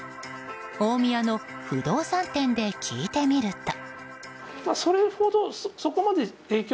大宮の不動産店で聞いてみると。